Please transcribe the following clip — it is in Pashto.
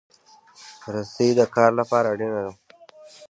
رسۍ د کار لپاره اړینه ده.